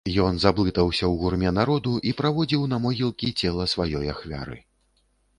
Ён заблытаўся ў гурме народу і праводзіў на могілкі цела сваёй ахвяры.